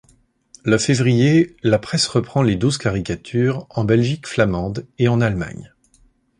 Le février, la presse reprend les douze caricatures, en Belgique flamande et en Allemagne.